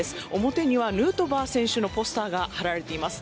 表にはヌートバー選手のポスターが張られています。